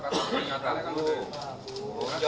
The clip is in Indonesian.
karena penyataannya kan sudah